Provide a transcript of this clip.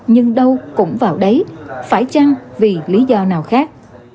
nhưng đâu cũng vào đấy phải chăng vì lý do nào khác